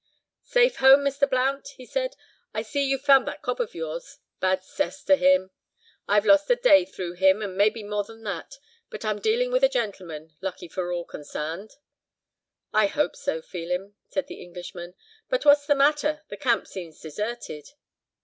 "Safe home, Mr. Blount," he said. "I see you've found that cob of yours, bad cess to him! I've lost a day through him, and maybe more than that. But I'm dealin' with a gentleman, lucky for all consarned." "I hope so, Phelim," said the Englishman; "but what's the matter, the camp seems deserted?"